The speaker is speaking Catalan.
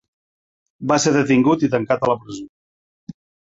Va ser detingut i tancat a la presó